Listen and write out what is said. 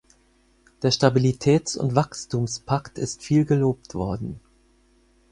Der Stabilitäts- und Wachstumspakt ist viel gelobt worden.